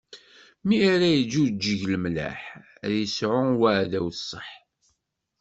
Mi ara iǧǧuǧeg lemleḥ, ad isɛu uɛdaw ṣṣeḥ.